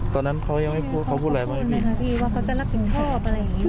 ตอนนั้นเขายังไม่พูดเขาพูดอะไรมากพี่ว่าเขาจะรับผิดชอบอะไรอย่างนี้